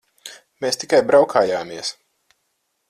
Mēs tikai braukājāmies.